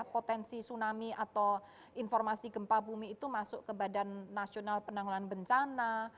informasi tsunami atau informasi gempa bumi itu masuk ke badan penanggungan bencana